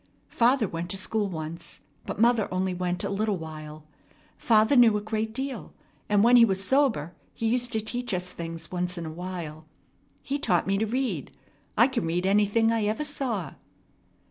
Father went to school once, but mother only went a little while. Father knew a great deal, and when he was sober he used to teach us things once in a while. He taught me to read. I can read anything I ever saw."